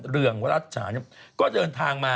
เรืองวัดอัสฉางก็เดินทางมา